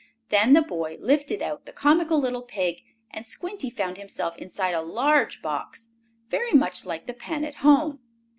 Then the boy lifted out the comical little pig, and Squinty found himself inside a large box, very much like the pen at home.